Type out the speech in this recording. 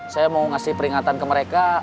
saya mau ngasih peringatan ke mereka